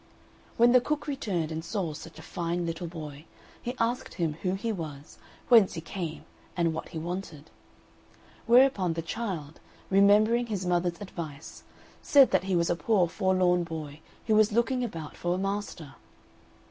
When the cook returned and saw such a fine little boy, he asked him who he was, whence he came, and what he wanted; whereupon, the child, remembering his mother's advice, said that he was a poor forlorn boy who was looking about for a master.